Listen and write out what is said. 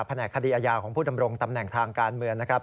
แหนกคดีอาญาของผู้ดำรงตำแหน่งทางการเมืองนะครับ